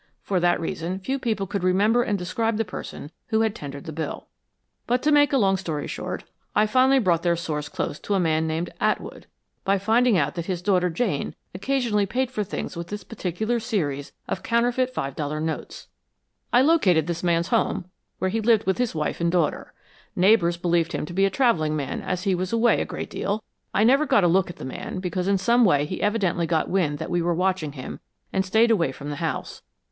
For that reason few people could remember and describe the person who had tendered the bill. But to make a long story short, I finally brought their source close to a man named Atwood, by finding out that his daughter Jane occasionally paid for things with this particular series of counterfeit five dollar notes." "I located this man's home, where he lived with his wife and daughter. Neighbors believed him to be a traveling man as he was away a great deal. I never got a look at the man, because in some way he evidently got wind that we were watching him and stayed away from the house.